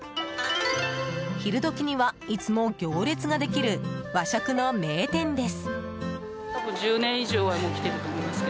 昼時にはいつも行列ができる和食の名店です。